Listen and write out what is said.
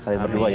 kalian berdua ya